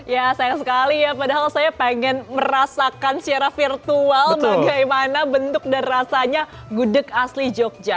ya sayang sekali ya padahal saya pengen merasakan secara virtual bagaimana bentuk dan rasanya gudeg asli jogja